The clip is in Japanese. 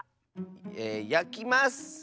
えやきます！